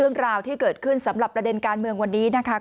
เรื่องราวที่เกิดขึ้นสำหรับประเด็นการเมืองวันนี้นะคะ